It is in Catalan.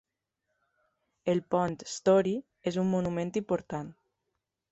El pont Story és un monument important.